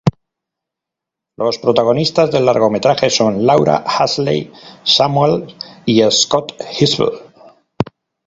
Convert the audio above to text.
Los protagonistas del largometraje son Laura Ashley Samuels y Scott Eastwood.